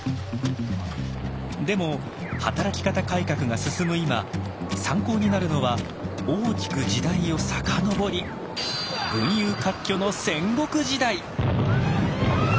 でも働き方改革が進む今参考になるのは大きく時代を遡り群雄割拠の戦国時代！